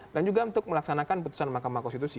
dan juga untuk melaksanakan putusan mahkamah konstitusi